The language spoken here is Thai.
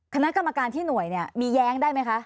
คณะกรรมการที่หน่วยเนี่ยมีแย้งได้ไหมคะ